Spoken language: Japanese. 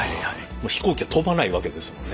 飛行機が飛ばないわけですもんね。